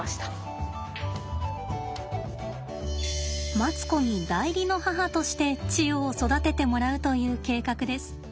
マツコに代理の母としてチヨを育ててもらうという計画です。